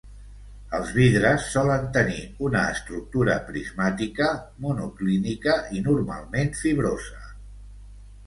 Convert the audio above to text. Els vidres solen tenir una estructura prismàtica monoclínica i normalment fibrosa.